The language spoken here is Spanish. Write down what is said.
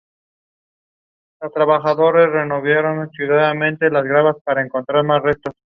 Está cerca de la ciudad de Ghat.